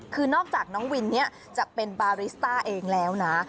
คือนอกจากน้องวินเนี่ยจะเป็นบาริสต้าเองแล้วนะ